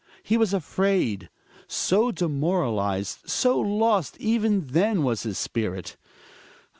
He was afraid. So demoralized, so lost even then was his spirit.